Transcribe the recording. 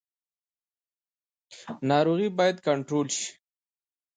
ناروغي باید کنټرول شي